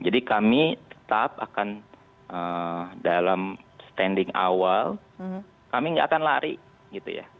jadi kami tetap akan dalam standing awal kami nggak akan lari gitu ya